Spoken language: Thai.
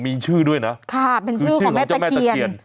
มีชื่อด้วยนะค่ะเป็นชื่อของแม่ตะเกียรคือชื่อของเจ้าแม่ตะเกียร